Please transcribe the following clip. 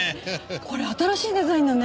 これ新しいデザインだね。